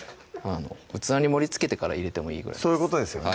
器に盛りつけてから入れてもいいぐらいそういうことですよね